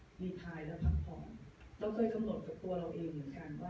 รีไทยและพักผ่อนเราเคยกำหนดกับตัวเราเองอย่างกัน